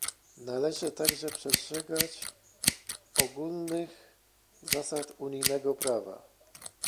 Należy także przestrzegać ogólnych zasad unijnego prawa